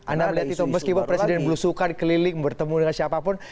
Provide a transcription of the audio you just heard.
anda lihat itu meskipun presiden belum sukar dikeliling bertemu dengan siapapun